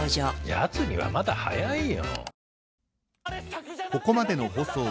やつにはまだ早いよ。